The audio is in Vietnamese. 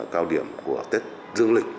cao điểm của tết dương lịch